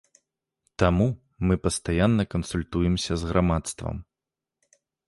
Таму мы пастаянна кансультуемся з грамадствам.